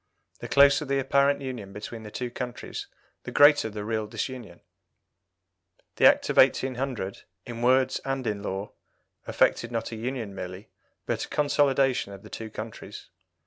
The closer the apparent union between the two countries the greater the real disunion. The Act of 1800, in words and in law, effected not a union merely, but a consolidation of the two countries.